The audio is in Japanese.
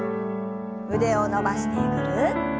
腕を伸ばしてぐるっと。